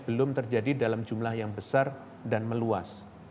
belum terjadi dalam jumlah yang besar dan meluas